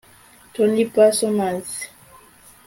tony parsons